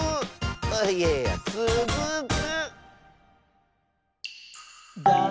いやいやつづく！